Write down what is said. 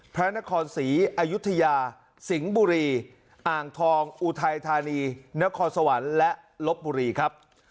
พระนครศรีอยุธยาสิงห์บุรีอ่างทองอุทัยธานีนครสวรรค์และลบบุรีครับ